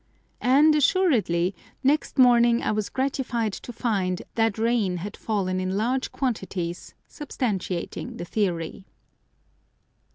And, assuredly, next morning I was gratified to find that rain had fallen in large quantities, substantiating the theory.